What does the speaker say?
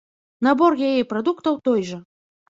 Набор яе прадуктаў той жа.